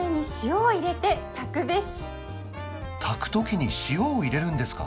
炊くときに塩を入れるんですか？